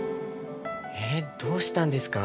えどうしたんですか？